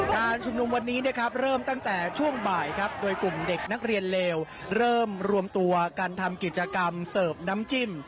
การชุมนุมวันนี้นะครับเริ่มตั้งแต่ช่วงบ่ายครับโดยกลุ่มเด็กนักเรียนเลวเริ่มรวมตัวกันทำกิจกรรมเสิร์ฟน้ำจิ้ม